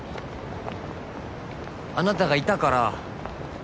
あなたがいたから。